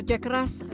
dengan tekad yang kuat